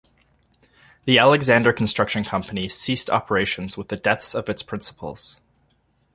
The Alexander Construction Company ceased operations with the deaths of its principals.